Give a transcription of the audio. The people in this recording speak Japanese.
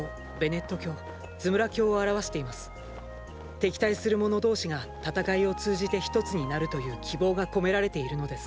敵対する者同士が戦いを通じてひとつになるという希望が込められているのです。